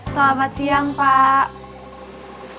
selamat siang pak